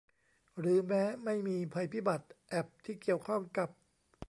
หรือแม้ไม่มีภัยพิบัติแอปที่เกี่ยวข้องกับ